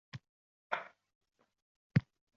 Voy onam-a!